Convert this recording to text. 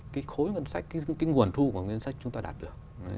cái khối ngân sách cái nguồn thu của ngân sách chúng ta đạt được